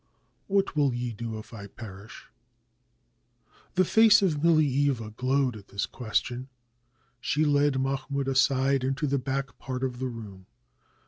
What will ye do if I perish?" The face of Milieva glowed at this question. She led Mahmoud aside into the back part of the room.